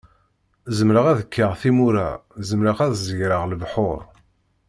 Zemreɣ ad kkeɣ timura zemreɣ ad zegreɣ lebḥur.